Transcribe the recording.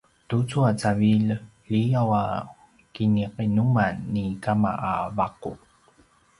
tucu a cavilj liyaw a kiniqinuman ni kama a vaqu